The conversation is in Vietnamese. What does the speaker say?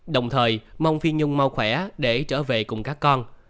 đồng thời mong phi nhung mau khỏe để trở về cùng các con